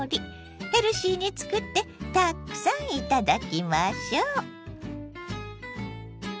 ヘルシーにつくってたくさん頂きましょう。